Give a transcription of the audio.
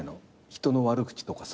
人の悪口とかさ。